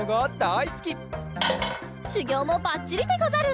しゅぎょうもばっちりでござる。